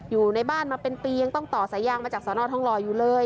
อยู่ในบ้านมาเป็นปียังต้องต่อสายยางมาจากสอนอทองหล่ออยู่เลย